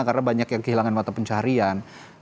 karena banyak yang kehilangan mata pencarian